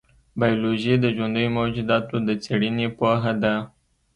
بایولوژي د ژوندیو موجوداتو د څېړنې پوهه ده.